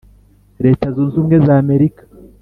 leta zunze ubumwe z'amerika,